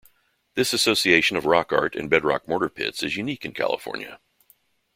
This association of rock art and bedrock mortar pits is unique in California.